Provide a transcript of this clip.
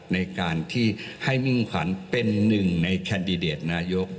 ในการที่ให้มิ่งขวัญเป็นหนึ่งในแคนดิเดตนายก